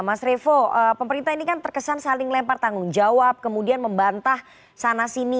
mas revo pemerintah ini kan terkesan saling lempar tanggung jawab kemudian membantah sana sini